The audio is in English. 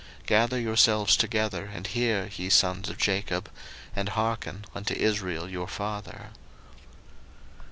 01:049:002 Gather yourselves together, and hear, ye sons of Jacob; and hearken unto Israel your father.